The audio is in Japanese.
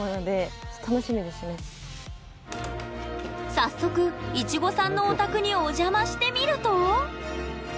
早速いちごさんのお宅にお邪魔してみると？